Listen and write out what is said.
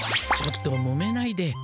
ちょっともめないで。